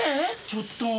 ちょっと。